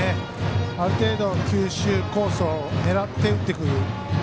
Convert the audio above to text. ある程度、球種コースを狙って打ってくる。